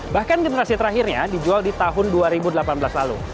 bahkan generasi terakhirnya dijual di tahun dua ribu delapan belas lalu